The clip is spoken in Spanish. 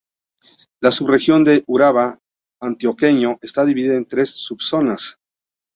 La subregión del Urabá antioqueño está dividida en tres sub-zonas.